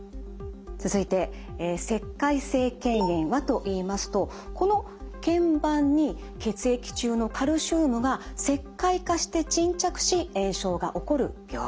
続いて石灰性けん炎はといいますとこのけん板に血液中のカルシウムが石灰化して沈着し炎症が起こる病気。